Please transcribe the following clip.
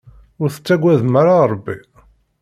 Ur tettagadem ara Rebbi?